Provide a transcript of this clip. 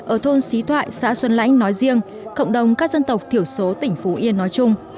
ở thôn xí thoại xã xuân lãnh nói riêng cộng đồng các dân tộc thiểu số tỉnh phú yên nói chung